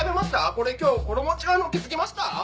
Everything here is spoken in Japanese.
これ今日衣違うの気付きました